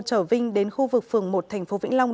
chở vinh đến khu vực phường một tp vĩnh long